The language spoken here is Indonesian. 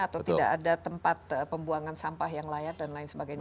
atau tidak ada tempat pembuangan sampah yang layak dan lain sebagainya